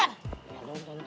ya dong tante